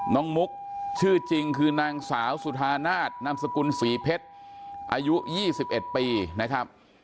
มุกชื่อจริงคือนางสาวสุธานาศนามสกุลศรีเพชรอายุ๒๑ปีนะครับ